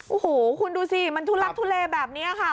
โอ้โหคุณดูสิมันทุลักทุเลแบบนี้ค่ะ